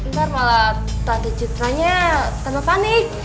ntar malah tante citranya tambah panik